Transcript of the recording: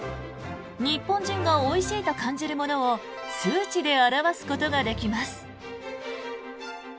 日本人がおいしいと感じるものを数値で表すことができます。